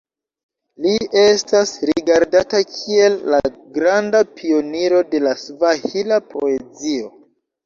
Li estas rigardata kiel la granda pioniro de la svahila poezio.